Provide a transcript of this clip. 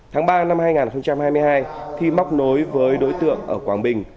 tháng ba năm hai nghìn hai mươi hai thi móc nối với đối tượng ở quảng bình